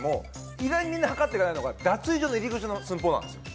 意外にみんな測っていかないのが脱衣所の入り口の寸法なんですよ。